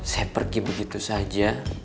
saya pergi begitu saja